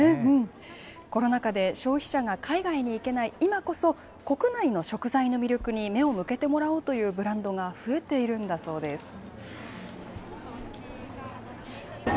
コロナ禍で消費者が海外に行けない今こそ、国内の食材の魅力に目を向けてもらおうというブランドが増えているんだそうです。